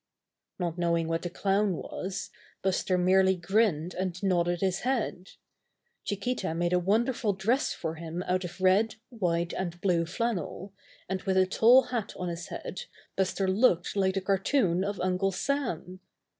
Not knowing what a clown was, Buster merely grinned and nodded his head. Chi quita made a wonderful dress for him out of red, white and blue flannel, and with a tall hat on his head Buster looked like the cartoon of Uncle Sam.